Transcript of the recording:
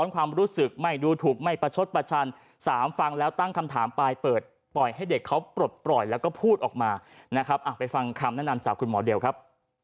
การจากคุณหมอเดียวครับ